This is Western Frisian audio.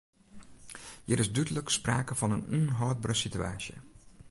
Hjir is dúdlik sprake fan in ûnhâldbere situaasje.